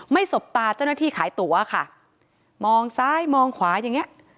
สบตาเจ้าหน้าที่ขายตัวค่ะมองซ้ายมองขวาอย่างเงี้ย